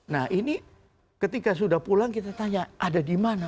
nah ini ketika sudah pulang kita tanya ada di mana